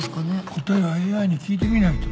答えはＡＩに聞いてみないとね。